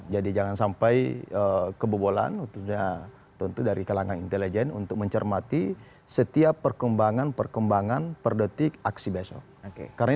jadi jangan sampai kebobolan tentunya tentu dari kalangan intelijen untuk mencermati setiap perkembangan perkembangan per detik aksi besok